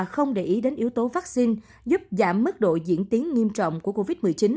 không để ý đến yếu tố vaccine giúp giảm mức độ diễn tiến nghiêm trọng của covid một mươi chín